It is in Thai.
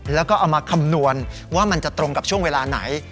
แล้วก็เอามาคำนวณว่ามันจะตรงกับช่วงเวลาไหน